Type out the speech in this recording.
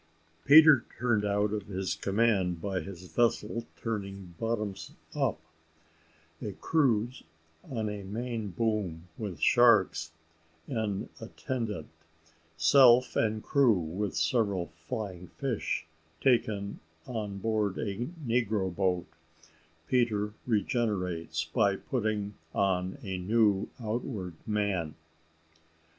PETER TURNED OUT OF HIS COMMAND BY HIS VESSEL TURNING BOTTOM UP A CRUISE ON A MAIN BOOM, WITH SHARKS "EN ATTENDANT" SELF AND CREW, WITH SEVERAL FLYING FISH, TAKEN ON BOARD A NEGRO BOAT PETER REGENERATES BY PUTTING ON A NEW OUTWARD MAN.